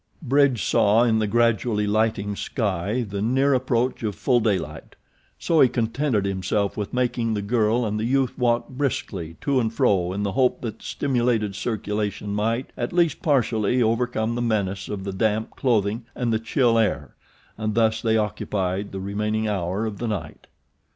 Bridge saw in the gradually lighting sky the near approach of full daylight; so he contented himself with making the girl and the youth walk briskly to and fro in the hope that stimulated circulation might at least partially overcome the menace of the damp clothing and the chill air, and thus they occupied the remaining hour of the night.